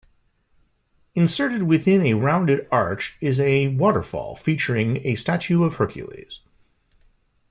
Inserted within a rounded-arch is a waterfall featuring a statue of Hercules.